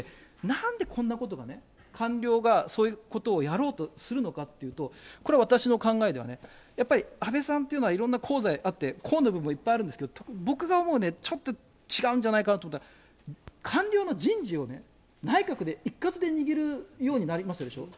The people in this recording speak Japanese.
なんでこんなことがね、官僚がそういうことをやろうとするのかっていうと、これ、私の考えではね、やっぱり安倍さんというのは、いろんな功罪あって功の部分もいっぱいあるんですけど、僕が思うにね、ちょっと違うんじゃないかなと思うのは、官僚の人事をね、内閣で一括で握るようになりましたでしょ。